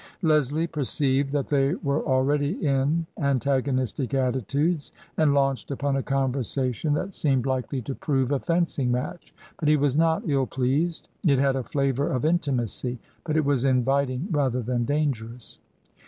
Leslie perceived that they were already in antagonistic attitudes and launched upon a conversation that seemed TRANSITION. 131 likely to prove a fencing match. But he was not ill pleased. It had a flavour of intimacy, but it was inviting rather than dangerous.